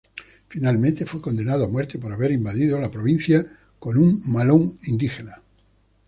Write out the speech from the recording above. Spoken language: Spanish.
Finalmente fue condenado a muerte por haber invadido la provincia con un malón indígena.